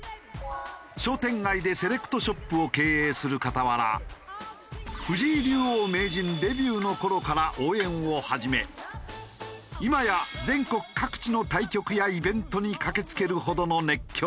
商店街でセレクトショップを経営する傍ら藤井竜王・名人デビューの頃から応援を始め今や全国各地の対局やイベントに駆けつけるほどの熱狂ぶり。